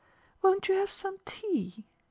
" Won't you have some tea ?